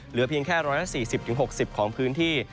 เหลือเพียงแค่๑๔๐๖๐ของพื้นที่